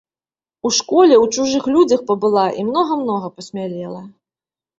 У школе, у чужых людзях пабыла і многа-многа пасмялела.